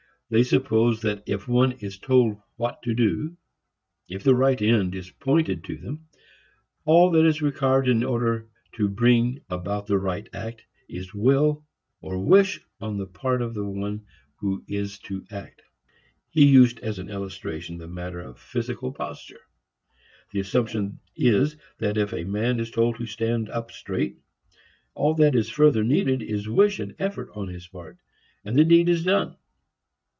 They suppose that if one is told what to do, if the right end is pointed to them, all that is required in order to bring about the right act is will or wish on the part of the one who is to act. He used as an illustration the matter of physical posture; the assumption is that if a man is told to stand up straight, all that is further needed is wish and effort on his part, and the deed is done.